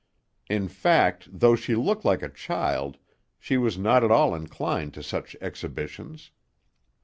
In fact, though she looked like a child, she was not at all inclined to such exhibitions.